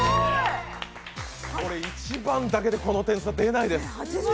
これ１番だけでこの点数出ないです